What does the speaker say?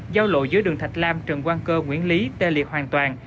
sau lộ dưới đường thạch lam trần quang cơ nguyễn lý tê liệt hoàn toàn